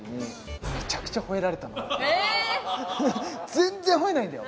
全然吠えないんだよ